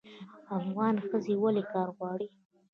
افغان ښځې ولې کار غواړي؟